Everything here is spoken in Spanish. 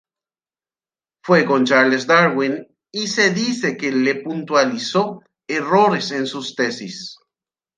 Fue con Charles Darwin y se dice que le puntualizó errores en sus tesis.